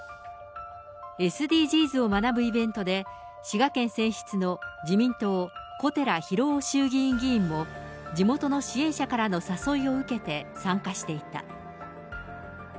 ＳＤＧｓを学ぶイベントで、滋賀県選出の自民党、小寺裕雄衆議院議員も、地元の支援者からの誘いを受けて参加していた。